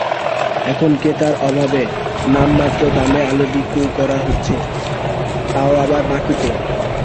এখন ক্রেতার অভাবে নামমাত্র দামে আলু বিক্রি করতে হচ্ছে, তাও আবার বাকিতে।